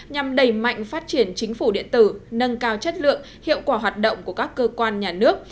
nhằm đẩy mạnh phát triển chính phủ điện tử nâng cao chất lượng hiệu quả hoạt động của các cơ quan nhà nước